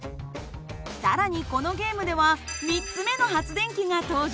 更にこのゲームでは３つ目の発電機が登場。